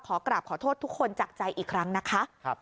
กราบขอโทษทุกคนจากใจอีกครั้งนะคะ